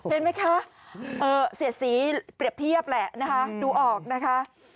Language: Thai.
เห็นไหมคะเสียดสีเปรียบเทียบแหละนะคะดูออกนะคะ